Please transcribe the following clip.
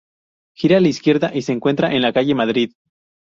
Gira a la izquierda y se encuentra en la Calle Madrid.